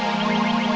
kiki permisi ya bu